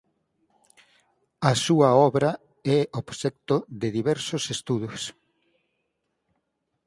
A súa obra é obxecto de diversos estudos.